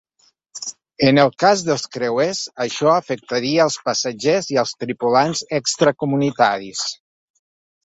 En el cas dels creuers això afectaria als passatgers i als tripulants extracomunitaris.